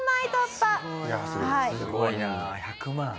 すごいな１００万。